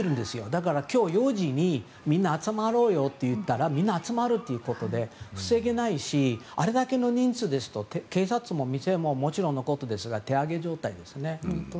だから今日４時にみんな集まろうよと言ったらみんな集まるということで防げないしあれだけの人数ですと警察も店ももちろんのことですがお手上げ状態ですね。